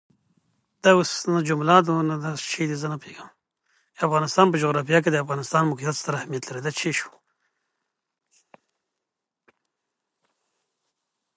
د افغانستان جغرافیه کې د افغانستان د موقعیت ستر اهمیت لري.